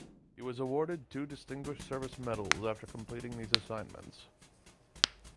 He was awarded two Distinguished Service Medals after completing these assignments.